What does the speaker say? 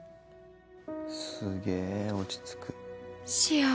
すげぇ落ち着く。